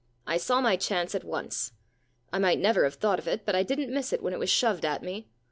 I saw my chance at once. I might never have thought of it, but I didn't miss it when it was shoved at me.